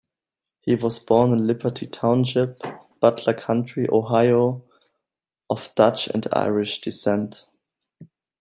He was born in Liberty Township, Butler County, Ohio, of Dutch and Irish descent.